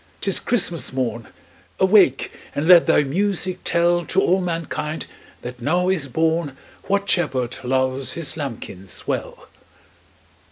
't is Christmas morn Awake and let thy music tell To all mankind that now is born What Shepherd loves His lambkins well!"